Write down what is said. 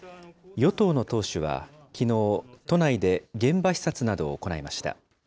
与党の党首はきのう、都内で現場視察などを行いました。